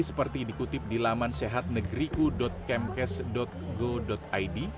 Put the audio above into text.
seperti dikutip di laman sehatnegriku kemkes go id